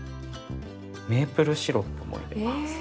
メープルシロップも入れます。